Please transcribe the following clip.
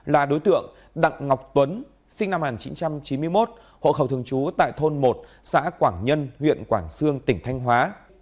là đối tượng đặng ngọc tuấn sinh năm một nghìn chín trăm chín mươi một hộ khẩu thường trú tại thôn một xã quảng nhân huyện quảng sương tỉnh thanh hóa